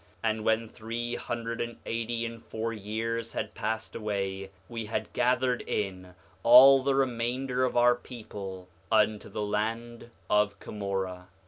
6:5 And when three hundred and eighty and four years had passed away, we had gathered in all the remainder of our people unto the land of Cumorah.